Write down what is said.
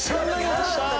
きました！